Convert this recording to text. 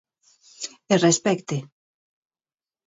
E respecte.